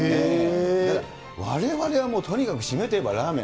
われわれはもう、とにかく締めといえばラーメン。